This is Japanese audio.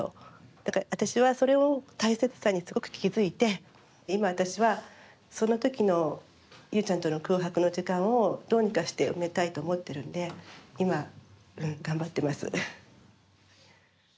だから私はそれを大切さにすごく気付いて今私はそのときのゆうちゃんとの空白の時間をどうにかして埋めたいと思ってるんで今頑張っています。